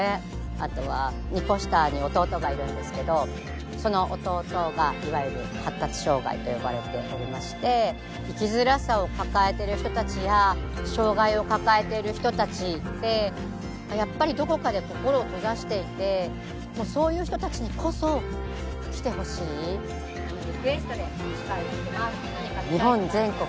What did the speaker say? あとは２コ下に弟がいるんですけどその弟がいわゆる発達障害とよばれておりまして生きづらさを抱えてる人達や障がいを抱えてる人達ってやっぱりどこかで心を閉ざしていてそういう人達にこそ来てほしい日本全国